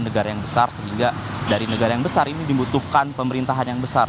negara yang besar sehingga dari negara yang besar ini dibutuhkan pemerintahan yang besar